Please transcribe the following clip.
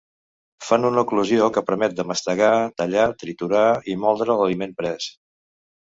Fan una oclusió que permet de mastegar, tallar, triturar i moldre l'aliment pres.